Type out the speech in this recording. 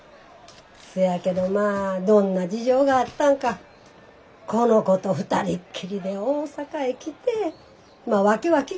せやけどまあどんな事情があったんかこの子と２人きりで大阪へ来てまあ訳は聞かへん。